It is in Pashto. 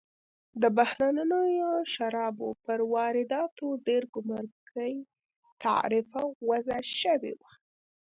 د بهرنیو شرابو پر وارداتو ډېر ګمرکي تعرفه وضع شوې وه.